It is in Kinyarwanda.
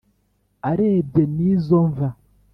arebye nizo mva